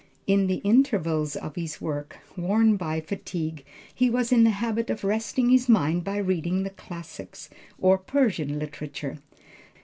In the intervals of his work, worn by fatigue, he was in the habit of resting his mind by reading the classics, or Persian literature.